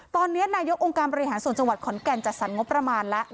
ตอนนี้นายกองค์การบริหารส่วนจังหวัดขอนแก่นจัดสรรงบประมาณแล้ว